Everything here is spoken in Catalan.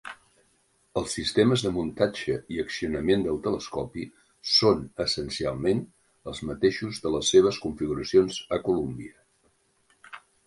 Els sistemes de muntatge i accionament del telescopi són essencialment els mateixos de les seves configuracions a Columbia.